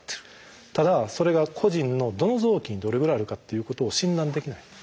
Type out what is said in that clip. ただそれが個人のどの臓器にどれぐらいあるかっていうことを診断できない。